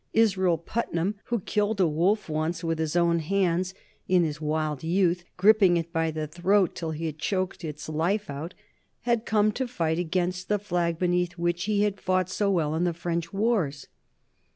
Israel Putnam, who killed a wolf once with his own hands in his wild youth, gripping it by the throat till he had choked its life out, had come to fight against the flag beneath which he had fought so well in the French wars.